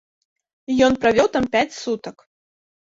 Ён правёў там пяць сутак.